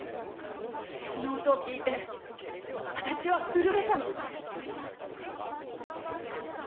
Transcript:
その音を聴いて私は震えたの！